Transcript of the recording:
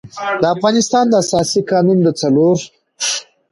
د افغانستان د اساسي قـانون د څلور